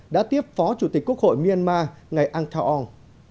đã tiếp phó chủ tịch quốc hội myanmar ngày ang thao ong